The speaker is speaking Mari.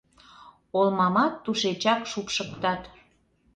Олмамат тушечак шупшыктат.